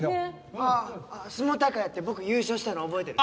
ああ相撲大会やって僕優勝したの覚えてる？